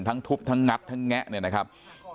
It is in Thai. ทั้งทุบทั้งงัดทั้งแงะเนี่ยนะครับ